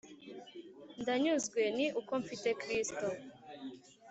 ndanyuzwe ni uko mfite kristo